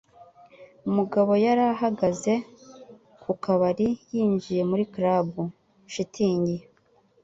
Mugabo yari ahagaze ku kabari ninjiye muri club. (shitingi)